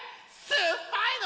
すっぱいの？